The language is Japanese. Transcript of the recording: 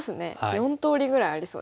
４通りぐらいありそうですね。